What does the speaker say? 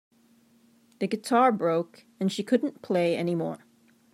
The guitar broke and she couldn't play anymore.